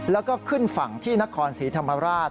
แล้วก็ขึ้นฝั่งที่นครศรีธรรมราช